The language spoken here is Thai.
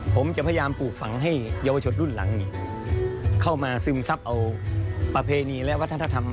ผมจะพยายามปลูกฝังให้เยาวชนรุ่นหลังเข้ามาซึมซับเอาประเพณีและวัฒนธรรม